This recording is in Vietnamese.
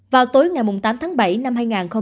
vào tối ngày tám tháng bảy năm hai nghìn hai mươi